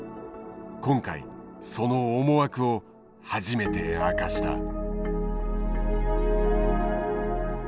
今回その思惑を初めて明かした。